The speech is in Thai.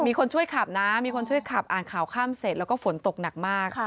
มีคนช่วยขับนะมีคนช่วยขับอ่านข่าวข้ามเสร็จแล้วก็ฝนตกหนักมาก